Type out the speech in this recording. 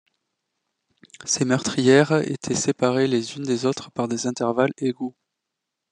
Ces meurtrières étaient séparées les unes des autres par des intervalles égaux.